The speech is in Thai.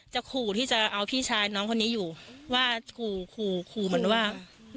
ขู่ที่จะเอาพี่ชายน้องคนนี้อยู่ว่าขู่ขู่ขู่ขู่เหมือนว่า